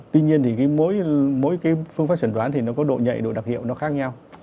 tuy nhiên mỗi phương pháp chuẩn đoán có độ nhạy độ đặc hiệu khác nhau